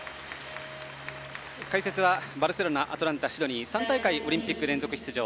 解説はバルセロナ、アトランタシドニー３大会オリンピック連続出場。